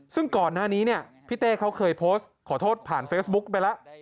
ซึ่งก่อนหน้านี้เนี่ยพี่เต้เขาเคยโพสต์ขอโทษผ่านเฟซบุ๊กไปแล้ว